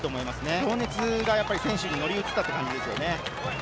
情熱がやっぱり選手に乗り移ったって感じですよね。